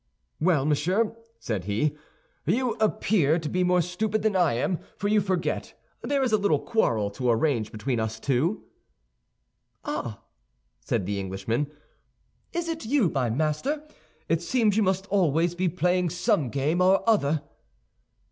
"Well, monsieur," said he, "you appear to be more stupid than I am, for you forget there is a little quarrel to arrange between us two." "Ah," said the Englishman, "is it you, my master? It seems you must always be playing some game or other."